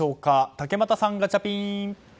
竹俣さん、ガチャピン！